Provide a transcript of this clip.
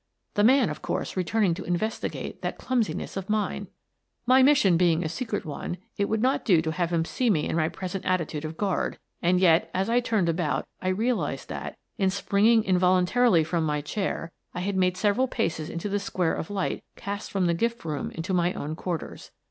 The man, of course, returning to investigate that clumsiness of mine! My mission being a secret one, it would not do to have him see me in my present attitude of guard, and yet, as I turned about, I realized that, in spring ing involuntarily from my chair, I had made several paces into the square of light cast from the gift room into my own quarters.